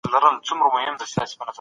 دوه منفي يو؛ يو پاته کېږي.